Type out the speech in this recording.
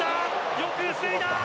よく防いだ。